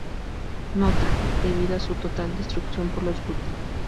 Nota: Debido a su total destrucción por los guti.